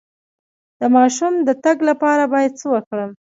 د ماشوم د تګ لپاره باید څه وکړم؟